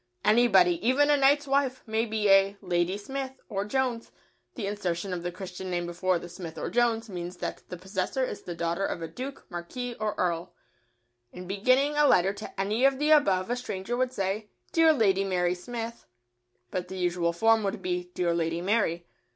Anybody, even a knight's wife, may be a "Lady Smith" or "Jones"; the insertion of the Christian name before the "Smith" or "Jones" means that the possessor is the daughter of a duke, marquis, or earl. [Sidenote: Beginning a letter to the above.] In beginning a letter to any of the above a stranger would say "Dear Lady Mary Smith," but the usual form would be "Dear Lady Mary."